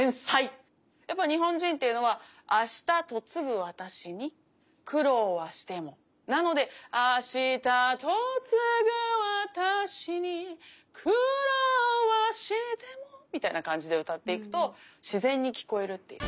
やっぱ日本人っていうのは「明日嫁ぐ私に苦労はしても」なので「明日嫁ぐ私に苦労はしても」みたいな感じで歌っていくと自然に聞こえるっていう。